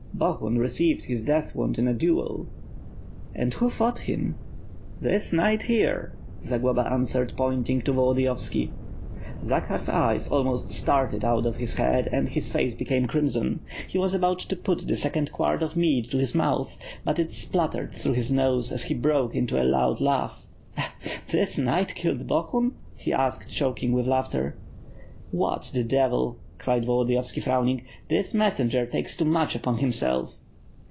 "Bohun received his death wound in a duel." "And who fought him?'* "This knight, here," Zagloba answered, pointing to Volo diyoyski. Zakhar's eyes almost started out of his head, and his face became crimson. He was about to put the second quart of hiead to his mouth, but it spluttered through his nose as he broke into a loud laugh. "This knight kill Bohun?" he asked choking with laughter. "What, the devil!" cried Volodiyovski frowning, "this messenger takes too much upon himself."